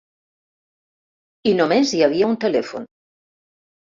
I només hi havia un telèfon.